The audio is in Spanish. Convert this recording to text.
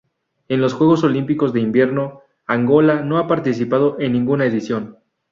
En los Juegos Olímpicos de Invierno Angola no ha participado en ninguna edición.